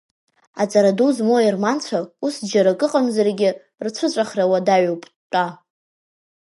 Аҵара ду змоу аерманцәа, ус џьара акы ыҟаӡамзаргьы, рцәыҵәахра уадаҩуп-тәа!